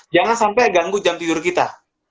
jangan sampai ganggu jam tidur kita